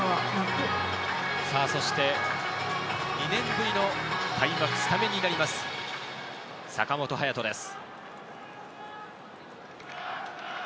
さぁ、そして２年ぶりの開幕スタメンになります坂本勇人です。